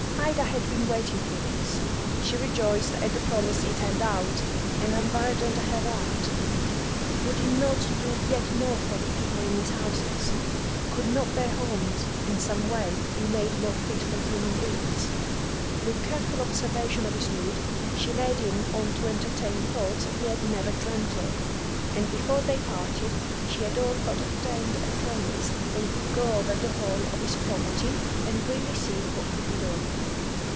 Ida had been waiting for this; she rejoiced at the promise it held out, and unburdened her heart. Would he not do yet more for the poor people in his houses? Could not their homes in some way be made more fit for human beings? With careful observation of his mood, she led him on to entertain thoughts he had never dreamt of, and before they parted she had all but obtained a promise that he would go over the whole of his property and really see what could be done.